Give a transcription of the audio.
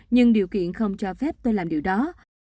nhưng điều kiện không cho phép tôi làm điều đó